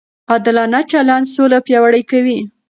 عادلانه چلند سوله پیاوړې کوي.